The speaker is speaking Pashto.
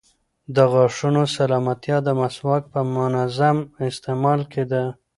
د غاښونو سلامتیا د مسواک په منظم استعمال کې ده.